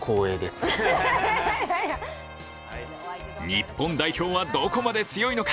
日本代表はどこまで強いのか？